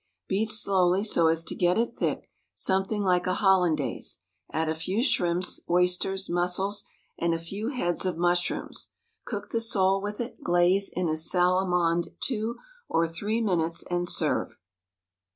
Beat slowly so as to get it thick, something; like a hoUandaise ; add a few shrimps, oysters, mussels, and a few heads of mushrooms, cook the sole with it, glaze in a salamande two or three minutes and serve.